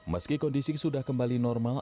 meski kondisi sudah kembali normal